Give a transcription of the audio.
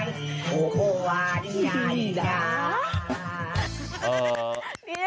ดูจ๊ะชุดจัตวาที่มึงอยากได้